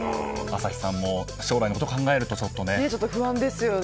朝日さんも将来のことを考えると、ちょっとね。